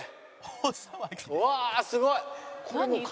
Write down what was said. うわあすごい！